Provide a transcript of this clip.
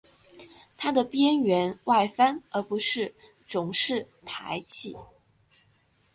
它的边缘外翻而不是总是抬起。